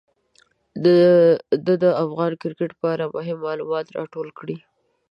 ده د افغان کرکټ په اړه مهم معلومات راټول کړي.